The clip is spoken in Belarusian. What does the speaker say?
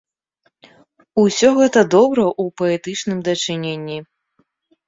Усё гэта добра ў паэтычным дачыненні.